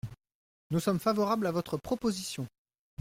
Nous sommes favorables à votre proposition.